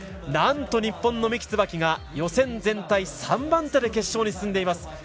なんと日本の三木つばきが予選全体３番手で決勝に進んでいます。